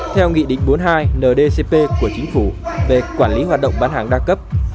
theo nghị định bốn mươi hai ndcp của chính phủ về quản lý hoạt động bán hàng đa cấp